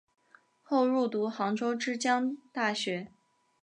后入读杭州之江大学。